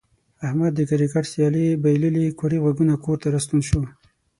احمد د کرکټ سیالي بایللې کوړی غوږونه کور ته راستون شو.